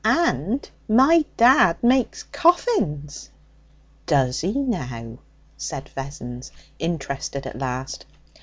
'And my dad makes coffins.' 'Does 'e, now?' said Vessons, interested at last.